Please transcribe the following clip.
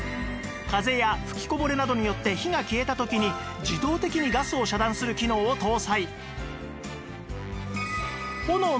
風や吹きこぼれなどによって火が消えた時に自動的にガスを遮断する機能を搭載